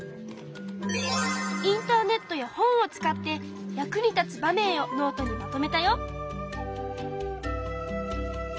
インターネットや本を使って役に立つ場面をノートにまとめたよ。